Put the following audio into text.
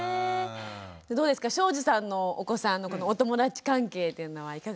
どうですか庄司さんのお子さんのお友達関係っていうのはいかがですか？